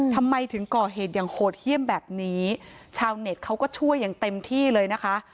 ทำไมถึงก่อเหตุอย่างโหดเยี่ยมแบบนี้ชาวเน็ตเขาก็ช่วยอย่างเต็มที่เลยนะคะ